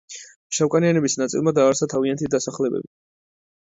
შავკანიანების ნაწილმა დააარსა თავიანთი დასახლებები.